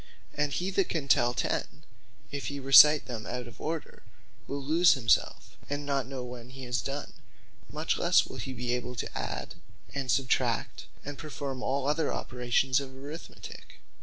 And he that can tell ten, if he recite them out of order, will lose himselfe, and not know when he has done: Much lesse will he be able to add, and substract, and performe all other operations of Arithmetique.